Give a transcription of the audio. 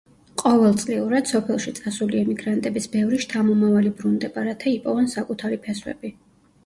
ყოველწლიურად სოფელში წასული ემიგრანტების ბევრი შთამომავალი ბრუნდება, რათა იპოვონ საკუთარი ფესვები.